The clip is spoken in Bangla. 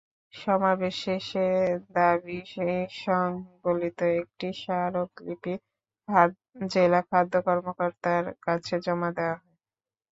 সমাবেশ শেষে দাবিসংবলিত একটি স্মারকলিপি জেলা খাদ্য কর্মকর্তার কাছে জমা দেওয়া হয়।